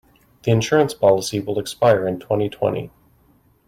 The insurance policy will expire in twenty-twenty.